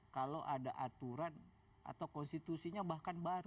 kalau ada aturan atau konstitusinya bahkan baru